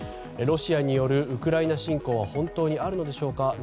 ロシアによるウクライナ侵攻は本当にあるのでしょうか。